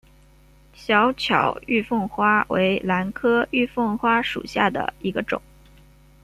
小巧玉凤花为兰科玉凤花属下的一个种。